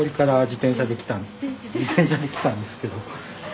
自転車で来たんですけど。